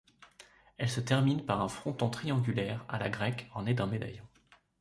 Elle se termine par un fronton triangulaire à la grecque orné d'un médaillon.